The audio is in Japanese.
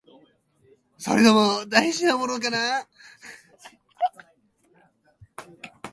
それとも、大事なものかな？